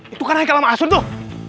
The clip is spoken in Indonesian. itu kan haikalama asun tuh